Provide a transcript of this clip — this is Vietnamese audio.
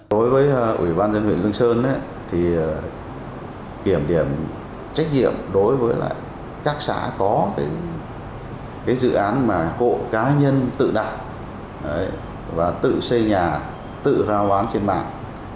đối với ủy ban nhân dân huyện lương sơn kiểm điểm trách nhiệm đối với các xã có dự án mà cộ cá nhân tự đặt và tự xây nhà tự rao bán trên mạng